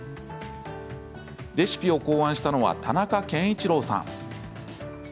レシピを考案したのは田中健一郎さん。